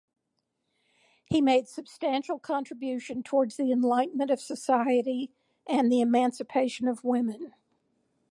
He made substantial contribution towards the enlightenment of society and the emancipation of women.